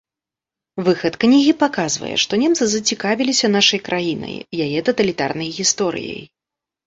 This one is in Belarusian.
Выхад кнігі паказвае, што немцы зацікавіліся нашай краінай, яе таталітарнай гісторыяй.